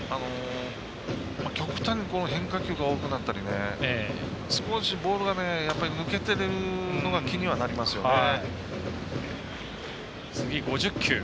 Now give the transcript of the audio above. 極端に変化球が多くなったり少しボールが抜けてるのが気にはなりますよね。